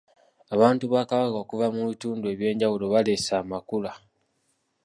Abantu ba Kabaka okuva mu bitundu eby'enjawulo baleese amakula .